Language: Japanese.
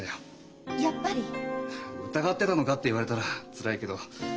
疑ってたのかって言われたらつらいけど。